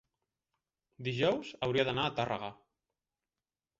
dijous hauria d'anar a Tàrrega.